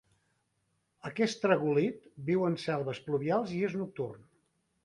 Aquest tragúlid viu en selves pluvials i és nocturn.